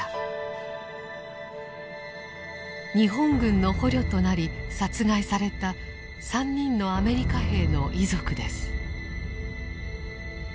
日本軍の捕虜となり殺害された３人のアメリカ兵の遺族です。